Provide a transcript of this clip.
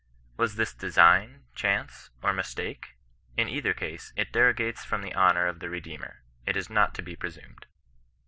Was this design, chance^ or mistaJke ? In either case it derogates from the honour of the Redeemer. It is not to be presumed.